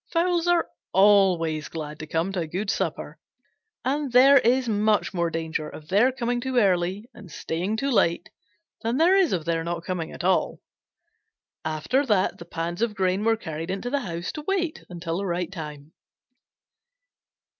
Fowls are always glad to come to a good supper, and there is much more danger of their coming too early and staying too late than there is of their not coming at all. After that the pans of grain were carried into the house to wait until the right time.